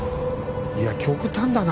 いや極端だな。